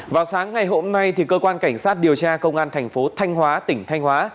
vào sáng ngày hôm nay cơ quan cảnh sát điều tra công an thành phố thanh hóa tỉnh thanh hóa